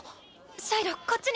シャイロこっちに！